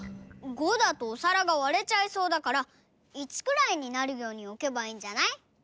５だとおさらがわれちゃいそうだから１くらいになるようにおけばいいんじゃない？